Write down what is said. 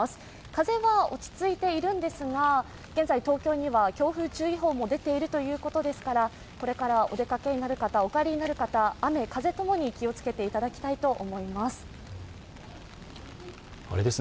風は落ち着いているんですが現在、東京には強風注意報も出ているということですから、これからお出かけになる方、お帰りになる方、雨・風ともに気をつけていただきたいと思います。